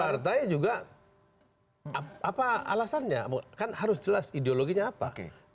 partai juga apa alasannya kan harus jelas ideologinya apa